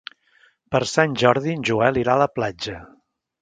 Per Sant Jordi en Joel irà a la platja.